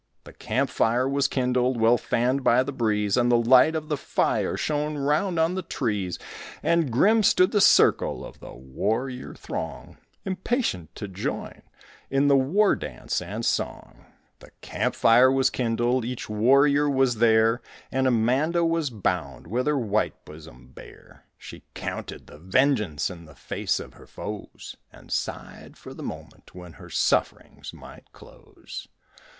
The campfire was kindled, Well fanned by the breeze, And the light of the fire Shone round on the trees; And grim stood the circle Of the warrior throng, Impatient to join In the war dance and song. The campfire was kindled, Each warrior was there, And Amanda was bound With her white bosom bare. She counted the vengeance In the face of her foes And sighed for the moment When her sufferings might close.